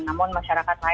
namun masyarakat masih